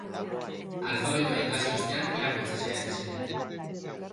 Alfabetoa ikasi ostean irakurtzen saiatzen ziren.